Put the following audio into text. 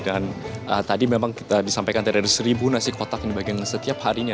dan tadi memang kita disampaikan dari seribu nasi kotak yang dibagian setiap harinya